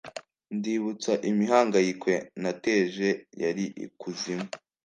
ndibutsa imihangayiko nateje, yari ikuzimu